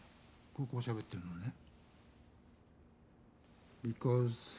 ここをしゃべってるのね。